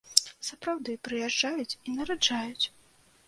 Сапраўды прыязджаюць і нараджаюць!